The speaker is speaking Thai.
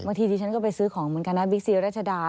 ทีดิฉันก็ไปซื้อของเหมือนกันนะบิ๊กซีรัชดา